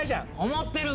思ってる！